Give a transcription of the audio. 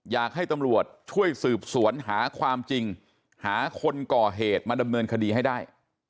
อยากให้ตำรวจช่วยสืบสวนหาความจริงหาคนก่อเหตุมาดำเนินคดีให้ได้